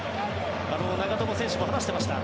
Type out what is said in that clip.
長友選手も話していました。